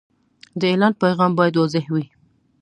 د اعلان پیغام باید واضح وي.